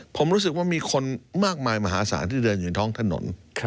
ผมรู้สึกว่ามีคนมากมายมหาศาลที่เดินอยู่ท้องถนน